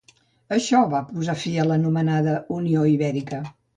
Això va posar fi a l'anomenada Unió Ibèrica.